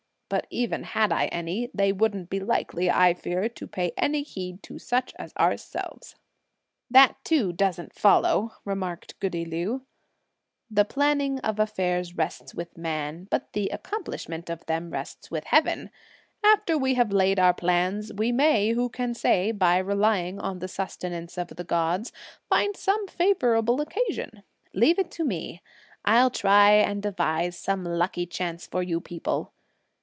'But even had I any, they wouldn't be likely, I fear, to pay any heed to such as ourselves!" "That, too, doesn't follow," remarked goody Liu; "the planning of affairs rests with man, but the accomplishment of them rests with Heaven. After we have laid our plans, we may, who can say, by relying on the sustenance of the gods, find some favourable occasion. Leave it to me, I'll try and devise some lucky chance for you people!